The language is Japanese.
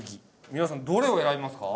皆さんどれを選びますか？